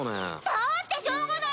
だってしょうがないじゃん！